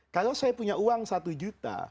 kalau saya punya uang satu juta